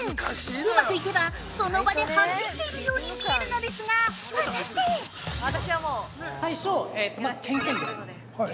うまくいけばその場で走っているように見えるのですが、果たして？◆最初けんけんです。